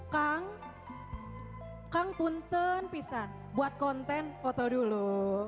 kang kang punten pisan buat konten foto dulu